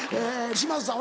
島津さん